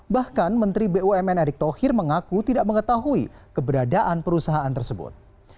bahkan menteri bumn erick thohir mengaku tidak mengetahui keberadaan perusahaan tersebut